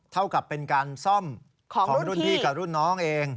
เท่ากับเป็นการซ่อมของรุ่นพี่กับรุ่นน้องเอง